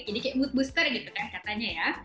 jadi kayak mood booster gitu kan katanya ya